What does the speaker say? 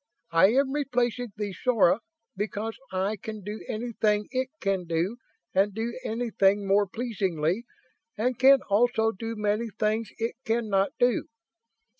I am replacing the Sora because I can do anything it can do and do anything more pleasingly; and can also do many things it can not do.